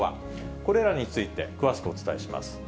これらについて、詳しくお伝えします。